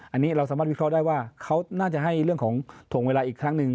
อันนี้เราสามารถวิเคราะห์ได้ว่าเขาน่าจะให้เรื่องของถ่วงเวลาอีกครั้งหนึ่ง